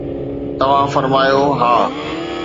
توهان فرمايو: ها